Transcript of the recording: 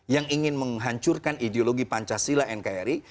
yang ingin menghancurkan ideologi pancasila nkri